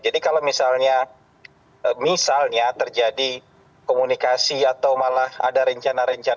jadi kalau misalnya terjadi komunikasi atau malah ada rencana rencana